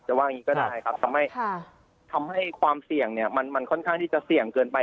ว่าอย่างนี้ก็ได้ครับทำให้ทำให้ความเสี่ยงเนี่ยมันค่อนข้างที่จะเสี่ยงเกินไป